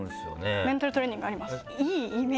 メンタルトレーニングあります。